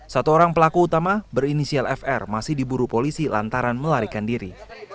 satu orang pelaku utama berinisial fr masih diburu polisi lantaran melarikan diri